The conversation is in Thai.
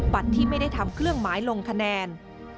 ที่ไม่ได้ทำเครื่องหมายลงคะแนน